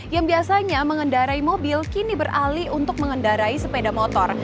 yang biasanya mengendarai mobil kini beralih untuk mengendarai sepeda motor